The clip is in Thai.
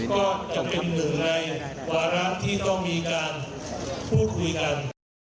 ก็จะเป็นหนึ่งในวาระที่ต้องมีการพูดคุยกัน